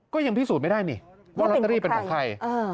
ก็ยังพิสูจน์ไม่ได้นี่ว่าลอตเตอรี่เป็นของใคร